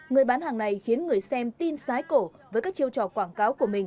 người bán hàng này khiến người xem tin sái cổ với các chiêu trò quảng cáo